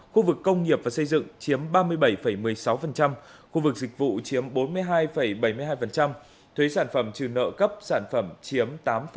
một mươi một năm mươi một khu vực công nghiệp và xây dựng chiếm ba mươi bảy một mươi sáu khu vực dịch vụ chiếm bốn mươi hai bảy mươi hai thuế sản phẩm trừ nợ cấp sản phẩm chiếm tám sáu mươi một